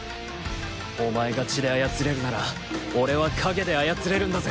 お前が血で操れるなら俺は影で操れるんだぜ。